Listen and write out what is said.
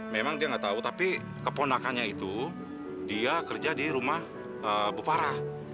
memang dia nggak tahu tapi keponakannya itu dia kerja di rumah bufara